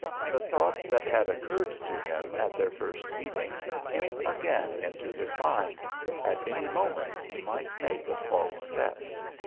The thought that had occurred to him at their first meeting came again into his mind; at any moment he might make a false step.